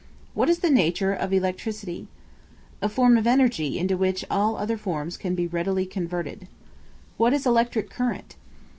What is the nature of Electricity? A form of energy into which all other forms can readily be converted. What is an Electric current?